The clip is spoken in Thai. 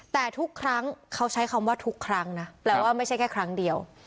แต่ทุกครั้งเขาใช้คำว่าทุกครั้งนะแปลว่าไม่ใช่แค่ครั้งเดียว